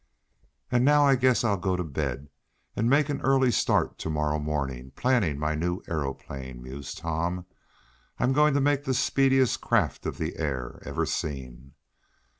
"And now I guess I'll go to bed, and make an early start to morrow morning, planning my new aeroplane," mused Tom. "I'm going to make the speediest craft of the air ever seen!"